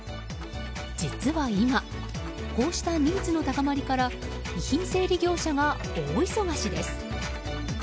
実は今こうしたニーズの高まりから遺品整理業者が大忙しです。